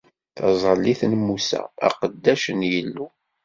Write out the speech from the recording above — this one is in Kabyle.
Taẓallit n Musa, aqeddac n Yillu.